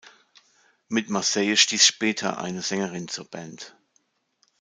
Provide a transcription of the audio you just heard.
Mit Marcelle stieß später eine Sängerin zur Band.